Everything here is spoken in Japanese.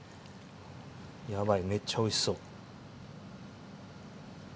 やばいめっちゃおいしそう。